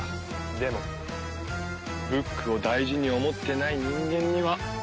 でもブックを大事に思ってない人間には。